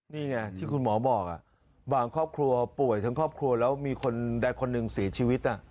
นี่ไงที่คุณหมอบอกบางครอบครัวป่วยทั้งครอบครัวแล้วมีคนใดคนหนึ่งเสียชีวิต